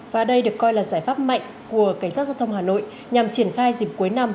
và đây được coi là giải pháp mạnh của cảnh sát giao thông hà nội nhằm triển khai dịp cuối năm